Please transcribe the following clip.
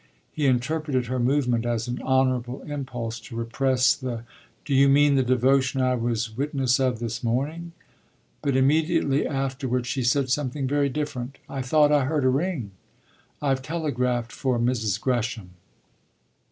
He interpreted her movement as an honourable impulse to repress the "Do you mean the devotion I was witness of this morning?" But immediately afterwards she said something very different: "I thought I heard a ring. I've telegraphed for Mrs. Gresham."